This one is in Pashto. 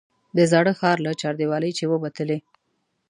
د زاړه ښار له چاردیوالۍ چې ووتلې.